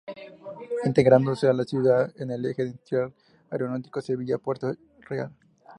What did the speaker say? Integrándose la ciudad en el eje industrial aeronáutico Sevilla-Puerto Real.